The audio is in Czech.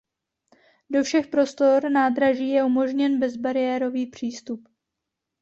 Do všech prostor nádraží je umožněn bezbariérový přístup.